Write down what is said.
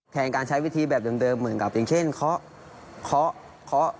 แทนการใช้วิธีแบบเดิมเหมือนกับอย่างเช่นค้อค้อค้อ